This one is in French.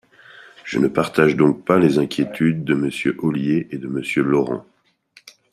Je ne partage donc pas les inquiétudes de Monsieur Ollier et de Monsieur Laurent.